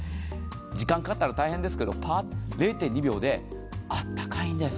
時間がかかったら大変ですけど、０．２秒であったかいんです。